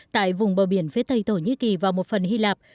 tại vùng bờ biển phía tây thổ nhĩ kỳ và một phần hy lạp